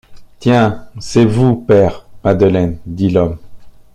Tiens, c’est vous, père Madeleine! dit l’homme.